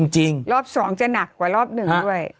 จริงรอบ๒จะหนักกว่ารอบหนึ่งด้วย